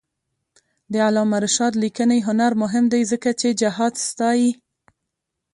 د علامه رشاد لیکنی هنر مهم دی ځکه چې جهاد ستايي.